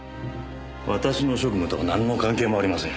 私の職務とはなんの関係もありません。